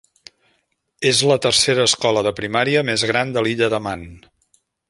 És la tercera escola de primària més gran de l"Illa de Man.